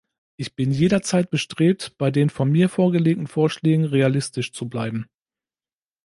Ich bin jederzeit bestrebt, bei den von mir vorgelegten Vorschlägen realistisch zu bleiben.